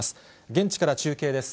現地から中継です。